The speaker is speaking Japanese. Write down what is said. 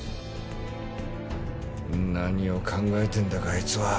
何を考えてんだかあいつは。